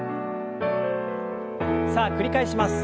さあ繰り返します。